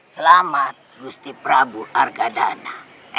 selamat gusti prabu argadana